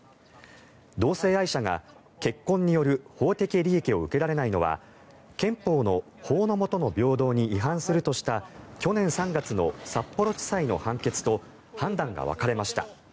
同性愛者が結婚による法的利益を受けられないのは憲法の法のもとの平等に違反するとした去年３月の札幌地裁の判決と判断が分かれました。